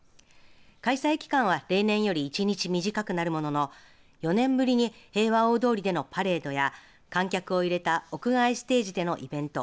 開催期間は例年より１日短くなるものの４年ぶりに平和大通りでのパレードや観客を入れた屋外ステージでのイベント。